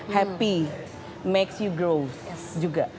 happy makes you grow juga